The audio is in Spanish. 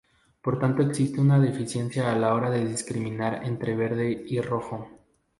Por tanto existe una deficiencia a la hora de discriminar entre verde y rojo.